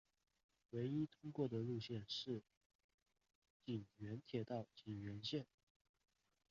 唯一通过的路线是井原铁道井原线。